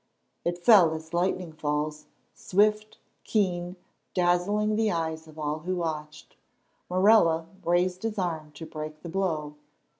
It fell as lightning falls, swift, keen, dazzling the eyes of all who watched. Morella raised his arm to break the blow.